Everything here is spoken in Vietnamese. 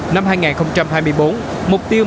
năm hai nghìn hai mươi bốn mục tiêu mới